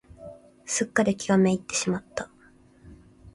すっかり気が滅入ってしまった。